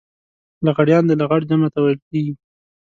لغړيان د لغړ جمع ته ويل کېږي.